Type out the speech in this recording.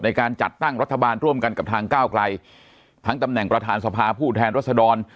ในการจัดตั้งรัฐบาลร่วมกันกับทางก้าวไกลทั้งตำแหน่งประธานสภาผู้แทนรัศดร